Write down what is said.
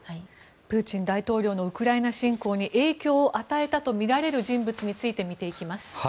プーチン大統領のウクライナ侵攻に影響を与えたとみられる人物について見ていきます。